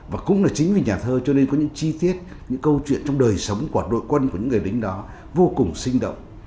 và cũng là chính vì nhà thơ cho nên có những chi tiết những câu chuyện trong đời sống của đội quân của những người lính đó vô cùng sinh động